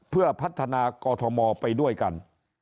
เพื่อพัฒนากอทมไปด้วยกัน